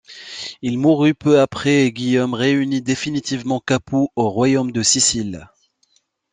Il mourut peu après et Guillaume réunit définitivement Capoue au royaume de Sicile.